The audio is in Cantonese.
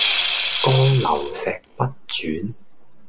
江流石不轉